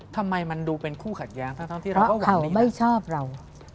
ทำไมมันดูเป็นคู่ขัดแย้งทั้งที่เราก็ว่านี้นะเพราะเขาไม่ชอบเรา